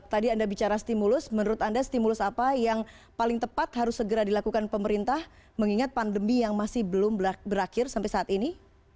tadi anda bicara stimulus menurut anda stimulus apa yang paling tepat harus segera dilakukan pemerintah mengingat pandemi yang masih belum berakhir sampai saat ini